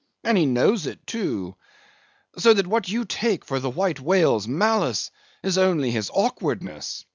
And he knows it too. So that what you take for the White Whale's malice is only his awkwardness.